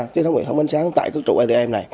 kết nối hệ thống bánh sáng tại các trụ atm này